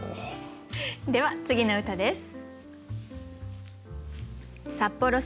では次の歌です。